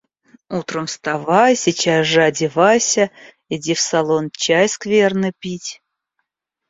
Утром вставай, сейчас же одевайся, иди в салон чай скверный пить.